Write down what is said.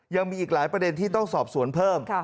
ยังมีอีกหลายประเด็นที่ต้องสอบสวนเพิ่ม